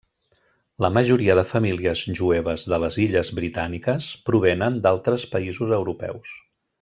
La majoria de famílies jueves de les Illes Britàniques provenen d'altres països europeus.